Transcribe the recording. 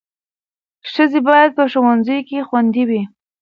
ښځې باید په ښوونځیو کې خوندي وي.